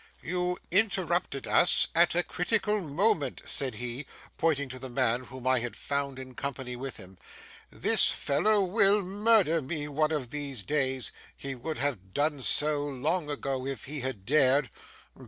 'You interrupted us at a critical moment,' said he, pointing to the man whom I had found in company with him; 'this fellow will murder me one of these days. He would have done so, long ago, if he had dared.